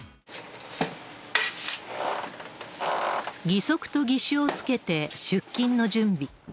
義足と義手をつけて出勤の準備。